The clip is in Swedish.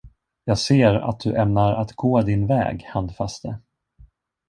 Jag ser, att du ämnar att gå din väg, Handfaste.